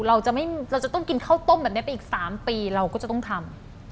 เราจะต้องกินข้าวต้มแบบนี้ไปอีก๓ปีเราก็จะต้องทำ